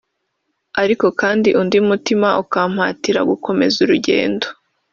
ariko kandi undi mutima ukampatira gukomeza urugendo